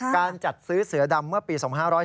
การจัดซื้อเสือดำเมื่อปี๒๕๔